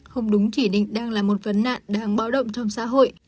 không đúng chỉ định đang là một vấn nạn đáng báo động trong xã hội